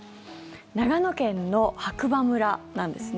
長野県の白馬村なんですね。